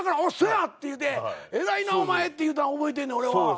言うて偉いなお前って言うたん覚えてんねん俺は。